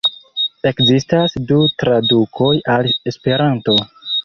Ekzistas du tradukoj al Esperanto.